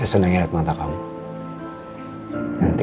aku sudah berhasil menerima cinta